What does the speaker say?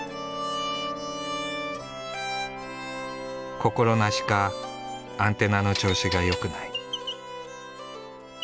心なしかアンテナの調子が良くない。